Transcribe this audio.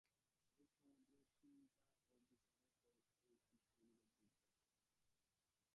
এই সমুদয় চিন্তা ও বিচারের ফল এই রাজযোগ-রূপ বিজ্ঞান।